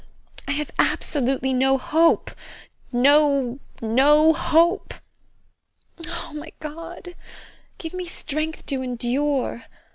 I have absolutely no hope, no, no hope. Oh, my God! Give me strength to endure.